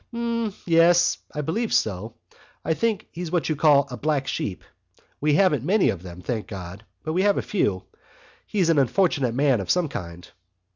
"Mmmyes, I believe so.... I think he's what you call a black sheep. We haven't many of them, thank God! but we have a few.... He's an unfortunate man of some kind...."